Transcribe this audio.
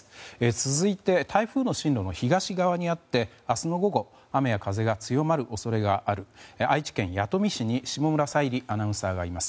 続いて、台風の進路の東側にあって明日の午後、雨や風が強まる恐れがある愛知県弥富市に下村彩里アナがいます。